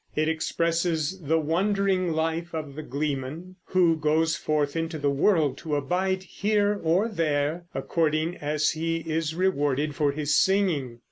It expresses the wandering life of the gleeman, who goes forth into the world to abide here or there, according as he is rewarded for his singing.